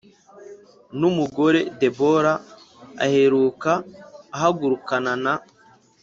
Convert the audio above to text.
n umugore Debora aherako ahagurukana na